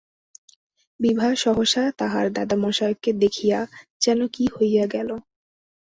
বিভা সহসা তাহার দাদামহাশয়কে দেখিয়া যেন কী হইয়া গেল।